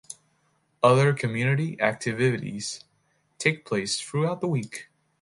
Other community activities take place throughout the week.